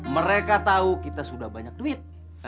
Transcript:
mereka tahu kita sudah banyak duit